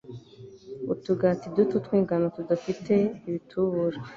Utugati duto tw’ingano tudafite igitubura,